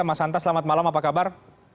mas anta selamat malam apa kabar